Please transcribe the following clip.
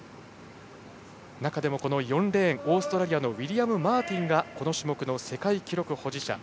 中でも、４レーンオーストラリアのウィリアム・マーティンがこの種目の世界記録保持者。